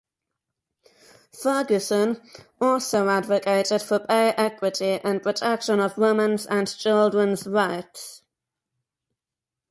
Fergusson also advocated for pay equity and protection of women's and children's rights.